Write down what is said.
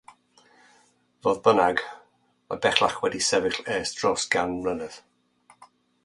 Fodd bynnag, mae bellach wedi sefyll ers dros gan mlynedd.